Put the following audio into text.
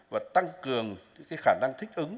và tăng cường những cái khả năng thích ứng